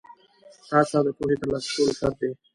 هڅه د پوهې ترلاسه کولو شرط دی.